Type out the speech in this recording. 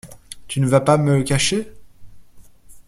Tu ne vas pas me cacher ?